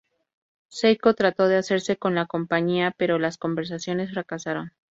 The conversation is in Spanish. Seiko trató de hacerse con la compañía, pero las conversaciones fracasaron.